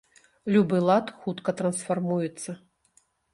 Любы лад хутка трансфармуецца.